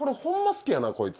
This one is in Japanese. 好きやなこいつ。